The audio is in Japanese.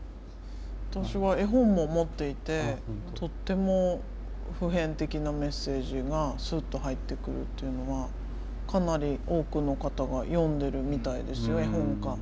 私は絵本も持っていてとっても普遍的なメッセージがスッと入ってくるっていうのはかなり多くの方が読んでるみたいですよ絵本化されて。